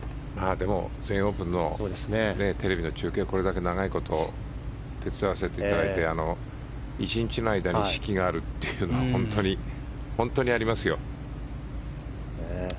全英オープンのテレビの中継をこれだけ長いこと手伝わせていただいて１日の間に四季があるというのは本当にありますよ。